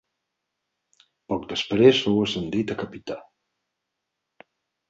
Poc després fou ascendit a capità.